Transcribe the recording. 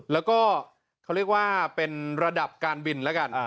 แล้วก็เขาเรียกว่าเป็นระดับการบินแล้วกัน